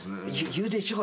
言うでしょ。